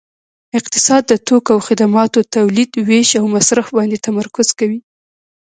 اقتصاد د توکو او خدماتو تولید ویش او مصرف باندې تمرکز کوي